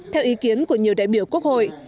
theo ý kiến của nhiều đại biểu quốc hội